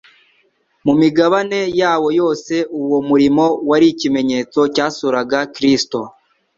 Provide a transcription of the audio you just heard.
Mu migabane yawo yose, uwo murimo wari ikimenyetso cyasuraga Kristo,